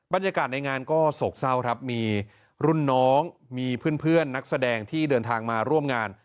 บรรยากาศในงานก็โศกเศร้าครับมีรุ่นน้องมีเพื่อนนักแสดงที่เดินทางมาร่วมงาน